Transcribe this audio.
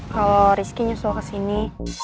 kalau rizky nyusul ke sini